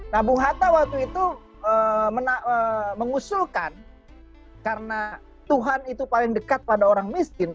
nah bung hatta waktu itu mengusulkan karena tuhan itu paling dekat pada orang miskin